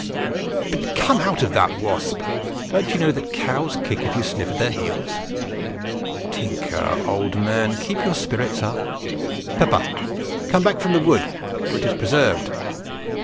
But, come out of that, Wasp! Don't you know that cows kick if you sniff at their heels? Tinker, old man, keep your spirits up; Pepper, come back from that wood, for it is preserved.